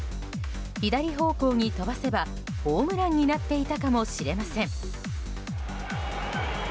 左方向に飛ばせばホームランになっていたかもしれません。